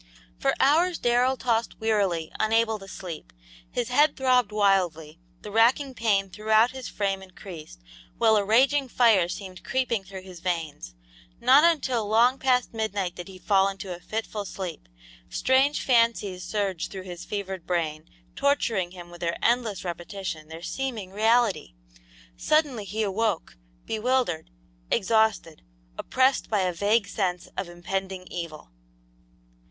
For hours Darrell tossed wearily, unable to sleep. His head throbbed wildly, the racking pain throughout his frame increased, while a raging fire seemed creeping through his veins. Not until long past midnight did he fall into a fitful sleep. Strange fancies surged through his fevered brain, torturing him with their endless repetition, their seeming reality. Suddenly he awoke, bewildered, exhausted, oppressed by a vague sense of impending evil.